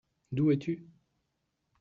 D’où es-tu ?